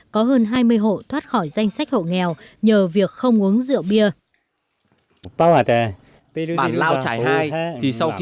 có hơn hai mươi hộ thoát khỏi danh sách hộ nghèo nhờ việc không uống rượu bia